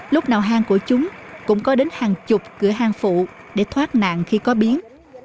lúc nào hang của chúng cũng có đến hàng chục cửa hàng phụ để thoát nạn khi có biến